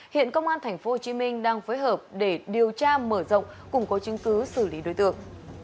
hiện công an tp hcm đang phối hợp để điều tra mở rộng củng cố chứng cứ xử lý đối tượng